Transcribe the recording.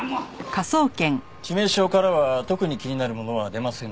致命傷からは特に気になるものは出ませんでした。